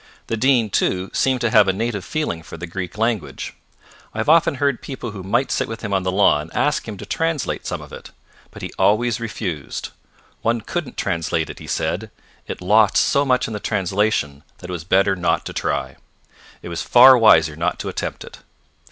The Dean, too, seemed to have a native feeling for the Greek language. I have often heard people who might sit with him on the lawn, ask him to translate some of it. But he always refused. One couldn't translate it, he said. It lost so much in the translation that it was better not to try. It was far wiser not to attempt it.